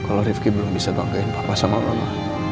kalau rifki belum bisa banggain papa sama mama